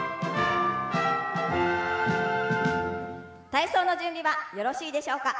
体操の準備はよろしいでしょうか。